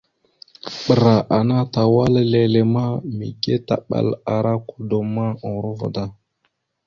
Ɓəra ana tawala lele ma, mige taɓal ara kudom ma, urova da.